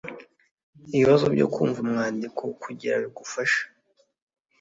ibibazo byo kumva umwandiko kugira bigufashe